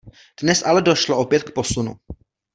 Dnes ale došlo opět k posunu.